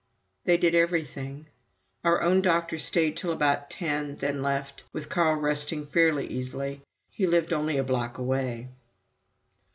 They did everything: our own doctor stayed till about ten, then left, with Carl resting fairly easily. He lived only a block away.